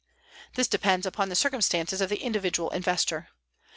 This depends upon the circumstances of the individual investor.